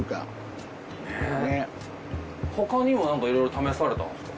他にも何かいろいろ試されたんすか？